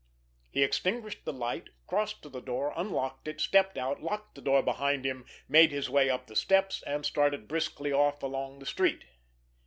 He extinguished the light, crossed to the door, unlocked it, stepped out, locked the door behind him, made his way up the steps, and started briskly off along the street.